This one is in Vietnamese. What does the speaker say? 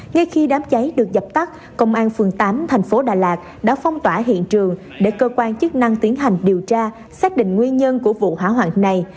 ngay khi đám cháy được dập tắt công an phường tám thành phố đà lạt đã phong tỏa hiện trường để cơ quan chức năng tiến hành điều tra xác định nguyên nhân của vụ hỏa hoạn này